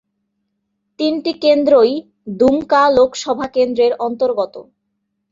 তিনটি কেন্দ্রই দুমকা লোকসভা কেন্দ্রের অন্তর্গত।